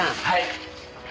はい。